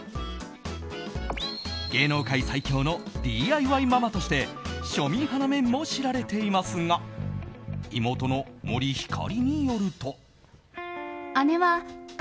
芸能界最強のＤＩＹママとして庶民派な面も知られていますが妹の森星によると。